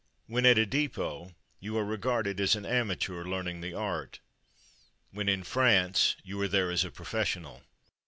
When at a depot, you are regarded as an amateur learning the art. When in France, you are there as a professional.